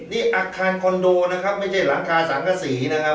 นี่อาคารคอนโดนะครับไม่ใช่หลังคาสังกษีนะครับ